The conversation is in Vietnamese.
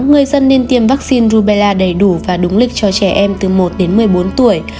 người dân nên tiêm vaccine rubella đầy đủ và đúng lịch cho trẻ em từ một đến một mươi bốn tuổi